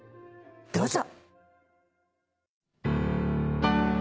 どうぞ。